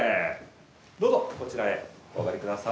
どうぞこちらへお上がり下さい。